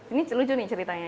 ini lucu nih ceritanya